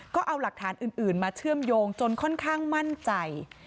ก็เอาหลักฐานอื่นมาเชื่อมโยงจนค่อนข้างมั่นใจ